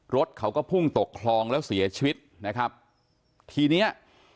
รถเขาก็พุ่งตกคลองแล้วเสียชีวิตนะครับทีเนี้ย